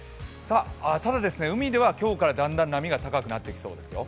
ただ、海では今日からだんだん波が高くなっていきそうですよ。